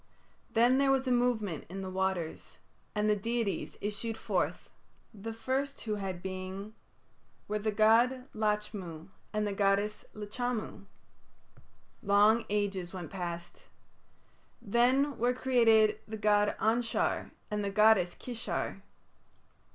Then there was a movement in the waters, and the deities issued forth. The first who had being were the god Lachmu and the goddess Lachamu. Long ages went past. Then were created the god Anshar and the goddess Kishar.